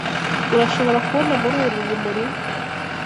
Urashobora kubona muri uru rumuri?